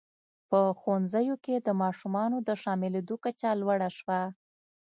په ښوونځیو کې د ماشومانو د شاملېدو کچه لوړه شوه.